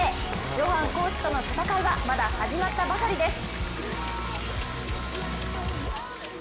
ヨハンコーチとの戦いはまだ始まったばかりです。